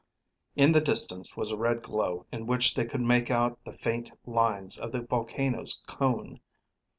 In the distance was a red glow in which they could make out the faint lines of the volcano's cone.